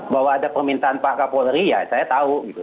bahwa ada permintaan pak kapolri ya saya tahu gitu